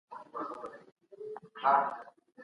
پرته له زحمته راحت نسته.